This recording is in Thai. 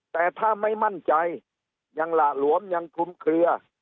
แต่ถ้าไม่มั่นใจยังหละหลวมยังคลุมเคลือ